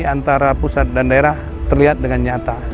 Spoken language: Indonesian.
antara pusat dan daerah terlihat dengan nyata